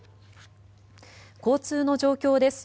交通の状況です。